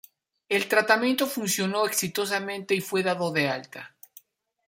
El tratamiento funcionó exitosamente y fue dado de alta.